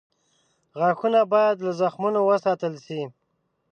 غاښونه باید له زخمونو وساتل شي.